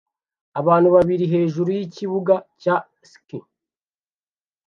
Abantu babiri hejuru yikibuga cya ski